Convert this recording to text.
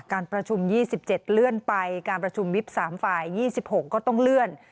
การประชุม๒๗เลื่อนไปการประชุมวิบ๓ฝ่าย๒๖ก็ต้องเลื่อน